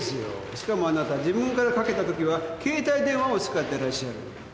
しかもあなた自分からかけた時は携帯電話を使ってらっしゃる。